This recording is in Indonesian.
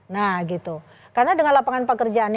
nah gitu karena dengan lapangan pekerjaan